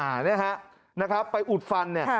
อันนี้นะครับไปอุดฟัน